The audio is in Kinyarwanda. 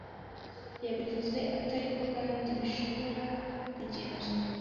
Yabivuze atakiko kandi ko bishobora kugenzurwa.